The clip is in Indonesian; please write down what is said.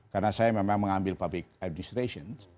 karena saya memang mengambil public administration